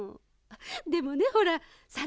でもねほらさん